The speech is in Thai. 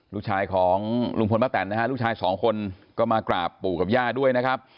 ลูกชายของลุงพลป้าแตนนะฮะลูกชายสองคนก็มากราบปู่กับย่าด้วยนะครับ